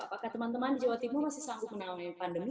apakah teman teman di jawa timur masih sanggup menangani pandemi